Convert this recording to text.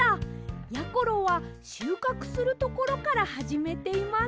やころはしゅうかくするところからはじめています。